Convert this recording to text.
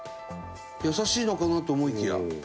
「優しいのかなと思いきや」